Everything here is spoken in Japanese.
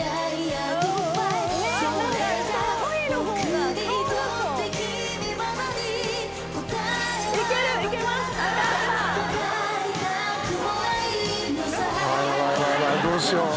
ヤバいどうしよう